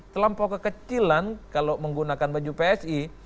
terlampau kekecilan kalau menggunakan baju psi